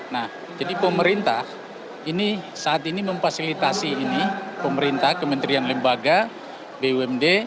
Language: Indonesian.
nah jadi pemerintah ini saat ini memfasilitasi ini pemerintah kementerian lembaga bumd